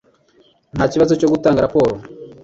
Nta kibazo cyo gutanga raporo.